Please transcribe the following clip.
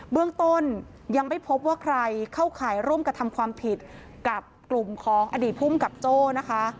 เบื้องต้นยังไม่พบว่าใครเข้าข่ายร่วมกระทำความผิดกับกลุ่มของอดีตภูมิกับโจ้นะคะ